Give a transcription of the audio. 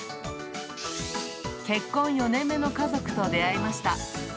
結婚４年目の家族と出会いました。